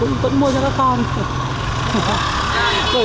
cũng vẫn mua cho các con